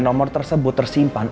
nomor tersebut tersimpan